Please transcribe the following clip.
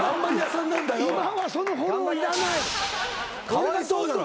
かわいそうだろ！